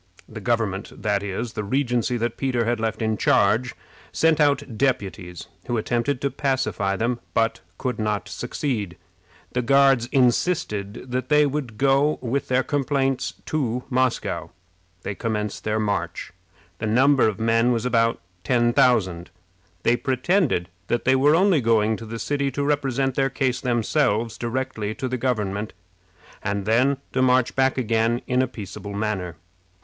The government that is, the regency that Peter had left in charge sent out deputies, who attempted to pacify them, but could not succeed. The Guards insisted that they would go with their complaints to Moscow. They commenced their march. The number of men was about ten thousand. They pretended that they were only going to the city to represent their case themselves directly to the government, and then to march back again in a peaceable manner.